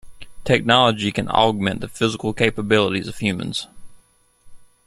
Technology can augment the physical capabilities of humans.